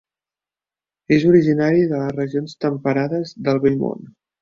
És originari de les regions temperades del Vell Món.